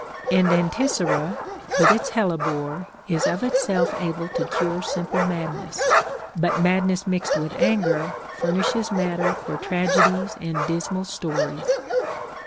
And Anticyra (with its hellebore) is of itself able to cure simple madness ; but madness mixed with anger furnishes matter for tragedies and dismal stories.